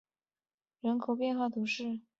布列塔尼达尔马尼亚克人口变化图示